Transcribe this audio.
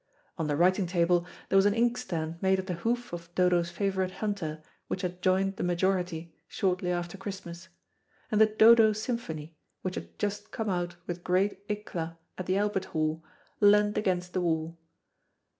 On the writing table there was an inkstand made of the hoof of Dodo's favourite hunter, which had joined the majority shortly after Christmas, and the "Dodo" symphony, which had just come out with great éclat at the Albert Hall, leant against the wall.